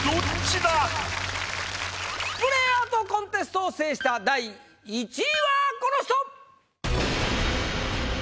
スプレーアートコンテストを制した第１位はこの人！